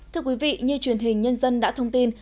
thưa quý vị như truyền hình nhân dân đã thông tin